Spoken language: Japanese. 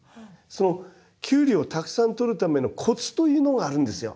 そのキュウリをたくさんとるためのコツというのがあるんですよ。